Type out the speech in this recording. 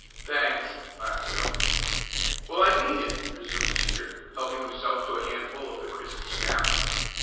"Thanks!" laughed Joe. "Well, I mean it," resumed Teeter, helping himself to a handful of the crisp snaps.